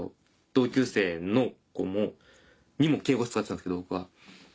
同級生の子にも敬語使ってたんですけど僕は。